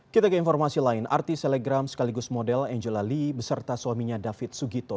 kita ke informasi lain artis selegram sekaligus model angela lee beserta suaminya david sugito